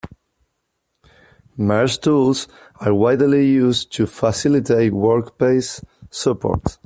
Merge tools are widely used to facilitate workspace support.